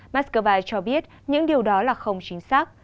moscow cho biết những điều đó là không chính xác